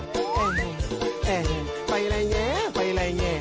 แอ้แห้แอ้แห้ไปไล่แงะไปไล่แงะ